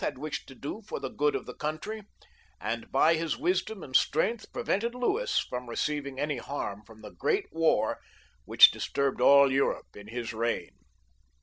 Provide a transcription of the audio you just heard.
had wished to do for the good of the country, and by his wisdom and strength prevented Louis from receiving any harm from the great war which disturbed aU Europe in this reign.